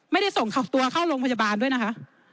ไม่ได้ส่งตัวเข้าโรงพยาบาลด้วยนะคะ